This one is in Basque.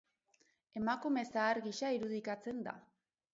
Emakume zahar gisa irudikatzen da.